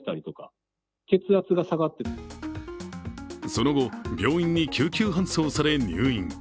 その後、病院に救急搬送され入院。